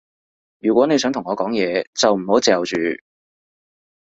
如果你想同我講嘢，就唔好嚼住